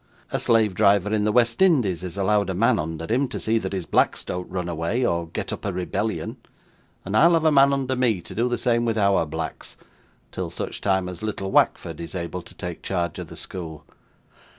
A slave driver in the West Indies is allowed a man under him, to see that his blacks don't run away, or get up a rebellion; and I'll have a man under me to do the same with OUR blacks, till such time as little Wackford is able to take charge of the school.